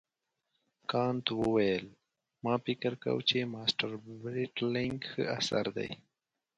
کانت وویل ما فکر کاوه چې مسټر برېټلنیګ ښه اثر دی.